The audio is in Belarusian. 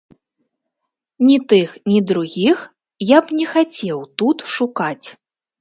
Ні тых, ні другіх я б не хацеў тут шукаць.